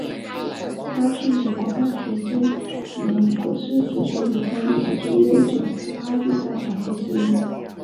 它是美国大学间美式足球比赛历史最悠久的拉锯战奖杯之一。